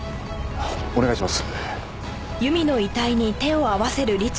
お願いします。